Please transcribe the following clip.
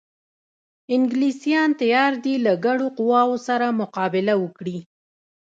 انګلیسیان تیار دي له ګډو قواوو سره مقابله وکړي.